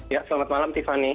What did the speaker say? ya selamat malam tiffany